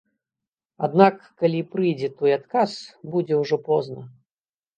Аднак, калі прыйдзе той адказ, будзе ўжо позна.